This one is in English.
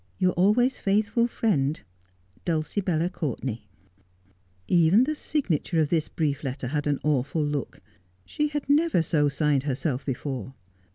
' Your always faithful friend, ' DULCIBELLA C'OURTEXAY.' 164 Just as I Am. Even the signature of this brief letter had an awful look. She had never so signed herself before.